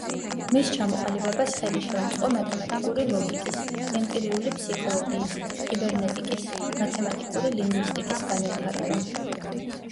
მის ჩამოყალიბებას ხელი შეუწყო მათემატიკური ლოგიკის, ემპირიული ფსიქოლოგიის, კიბერნეტიკის, მათემატიკური ლინგვისტიკის განვითარებამ.